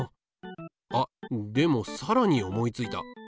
あでもさらに思いついた。